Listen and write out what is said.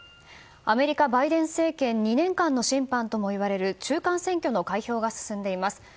アメリカ、バイデン政権２年間の審判ともいえる中間選挙の開票が進んでいます。